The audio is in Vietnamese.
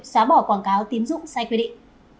xóa bỏ quảng cáo tín dụng sai quy định